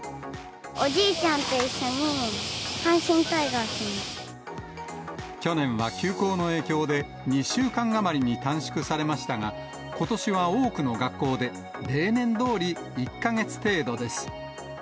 おじいちゃんと一緒に阪神タ去年は休校の影響で、２週間余りに短縮されましたが、ことしは多くの学校で例年どおり１か月程度です。